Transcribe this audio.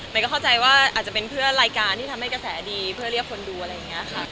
ก็เข้าใจว่าอาจจะเป็นเพื่อรายการที่ทำให้กระแสดีเพื่อเรียกคนดูอะไรอย่างนี้ค่ะ